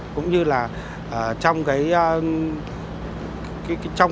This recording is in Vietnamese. cũng như là trong cái phương áp